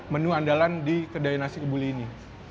menu andalan di kedai nasi kebuli ini